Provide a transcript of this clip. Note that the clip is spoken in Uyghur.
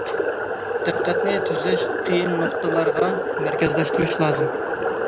دىققەتنى تۈزەش قىيىن نۇقتىلارغا مەركەزلەشتۈرۈش لازىم.